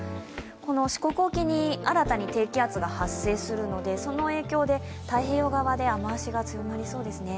この四国沖に新たに低気圧が発生するのでその影響で太平洋側で雨足が強まりそうですね。